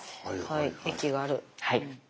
はい駅がある。